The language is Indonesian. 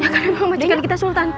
ya kan emang majikan kita sultan